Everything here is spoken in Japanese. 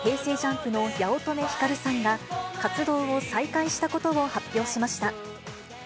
ＪＵＭＰの八乙女光さんが、活動を再開したことを発表しました。